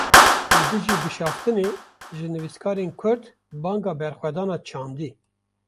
Li dijî bişaftinê, ji nivîskarên Kurd banga berxwedana çandî